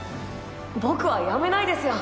僕は辞めないですよ。